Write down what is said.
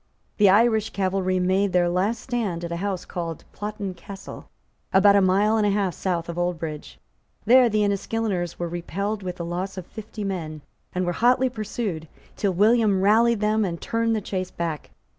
The Irish cavalry made their last stand at a house called Plottin Castle, about a mile and a half south of Oldbridge. There the Enniskilleners were repelled with the loss of fifty men, and were hotly pursued, till William rallied them and turned the chase back.